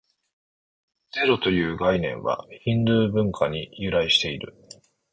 ゼロという概念は、ヒンドゥー文化に由来している。